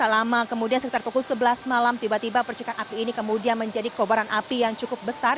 lama kemudian sekitar pukul sebelas malam tiba tiba percikan api ini kemudian menjadi kobaran api yang cukup besar